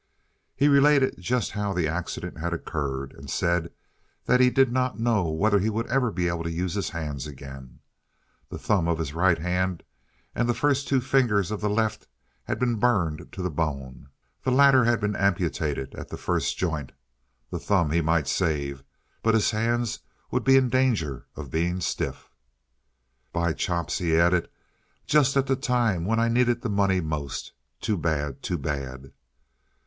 He related just how the accident had occurred, and said that he did not know whether he would ever be able to use his hands again. The thumb on his right hand and the first two fingers on the left had been burned to the bone. The latter had been amputated at the first joint—the thumb he might save, but his hands would be in danger of being stiff. "By chops!" he added, "just at the time when I needed the money most. Too bad! Too bad!"